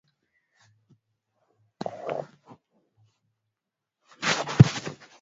ufaransa kama nchi nyingine za jumuiya ya kimataifa